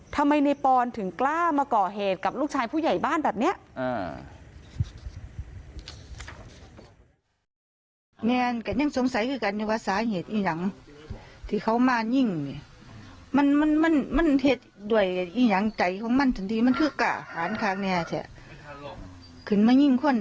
ทำไมในปอนถึงกล้ามาก่อเหตุกับลูกชายผู้ใหญ่บ้านแบบนี้